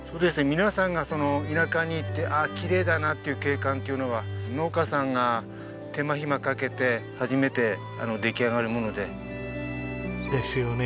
皆さんが田舎に行って「ああきれいだな」っていう景観っていうのは農家さんが手間暇かけて初めて出来上がるもので。ですよね。